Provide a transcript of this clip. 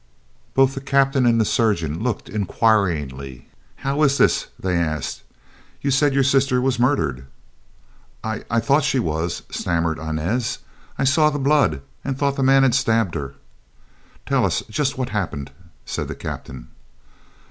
Both the captain and the surgeon looked inquiringly. "How is this?" they asked, "you said your sister was murdered." "I—I thought she was," stammered Inez. "I saw the blood and thought the man had stabbed her." "Tell us just what happened," said the captain.